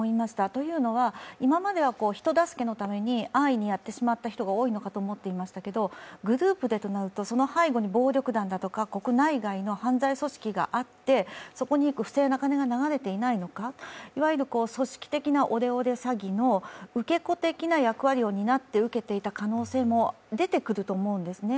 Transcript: というのは、今までは人助けのために安易にやってしまった人が多いのかと思いましたがグループでとなると、その背後に暴力団だとか国内外の犯罪組織があって、そこに不正な金が流れていないのかいわゆる組織的なオレオレ詐欺の受け子的な役割をになって受けていた可能性も出てくると思うんですね。